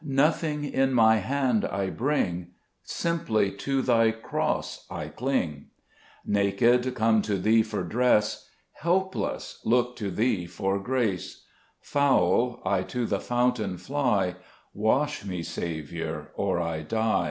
3 Nothing in my hand I bring, Simply to Thy cross I cling ; Naked, come to Thee for dress, Helpless, look to Thee for grace ; Foul, I to the fountain fly ; Wash me, Saviour, or I die.